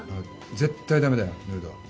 絶対ダメだよヌードは。